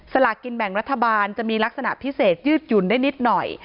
สลากกินแบ่งรัฐบาลจะมีลักษณะพิเศษยืดหยุ่นได้นิดหน่อย